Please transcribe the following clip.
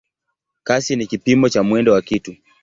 Kasi ni kipimo cha mwendo wa kitu.